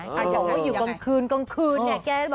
ฉันอยากบอกว่าอยู่กลางคืนแค่วาอื่นแบบ